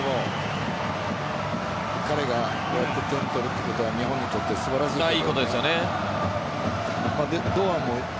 彼がこうやって点を取るということ日本にとって素晴らしいことだよね。